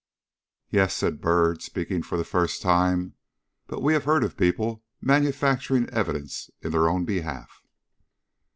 "Yes," said Byrd, speaking for the first time; "but we have heard of people manufacturing evidence in their own behalf."